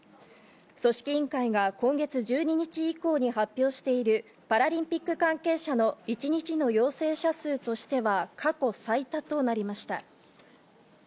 組織委員会が今月１２日以降に発表しているパラリンピック関係者の１日の陽性者数としては、過去最多となりました。